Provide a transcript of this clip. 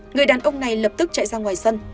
người đàn ông này lập tức chạy ra ngoài sân